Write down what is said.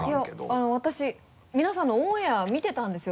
いや私皆さんのオンエア見てたんですよ